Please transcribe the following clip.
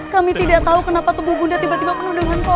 kami tidak tahu kenapa tubuh bunda tiba tiba penuh dengan kopi